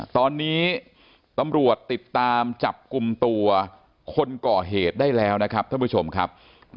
ตอนนี้ตำรวจติดตามจับกลุ่มตัวคนก่อเหตุได้แล้วนะครับท่านผู้ชมครับ